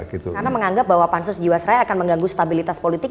karena menganggap bahwa pansus jiwas raya akan mengganggu stabilitas politik